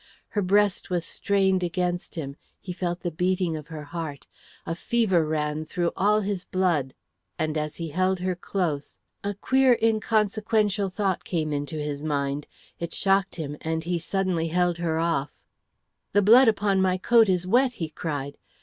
Her breast was strained against him, he felt the beating of her heart, a fever ran through all his blood. And as he held her close, a queer inconsequential thought came into his mind. It shocked him, and he suddenly held her off. "The blood upon my coat is wet," he cried.